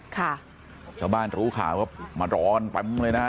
ค่ะชาวบ้านรู้ข่าวว่ามาร้อนปั๊มเลยนะ